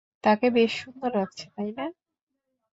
তাকে বেশ সুন্দর লাগছে, তাই না?